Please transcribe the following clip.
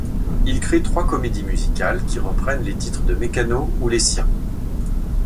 Il crée trois comédies musicales qui reprennent les titres de Mecano ou les siens.